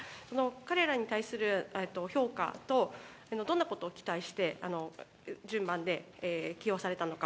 彼らに対する評価と、どんなことを期待して、順番で、起用されたのか。